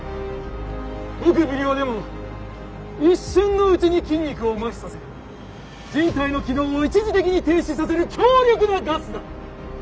ごく微量でも一瞬のうちに筋肉をまひさせ人体の機能を一時的に停止させる強力なガスだ！